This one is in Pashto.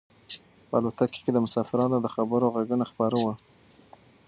په الوتکه کې د مسافرانو د خبرو غږونه خپاره وو.